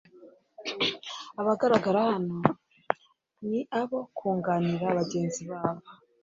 Abagaragara hano ni abo kunganira bagenzi babo